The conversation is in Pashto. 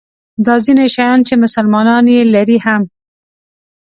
دا ځیني شیان چې مسلمانان یې لري هم.